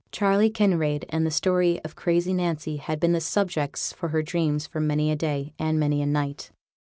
Charley Kinraid and the story of crazy Nancy had been the subjects for her dreams for many a day, and many a night.